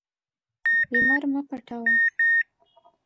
لمر مه پټوه.